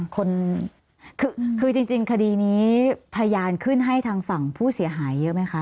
คนคือจริงคดีนี้พยานขึ้นให้ทางฝั่งผู้เสียหายเยอะไหมคะ